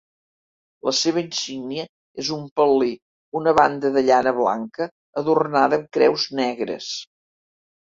La seva insígnia és el pal·li, una banda de llana blanca adornada amb creus negres.